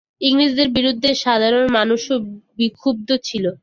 ইংরেজদের বিরুদ্ধে সাধারণ মানুষও বিক্ষুব্ধ ছিল।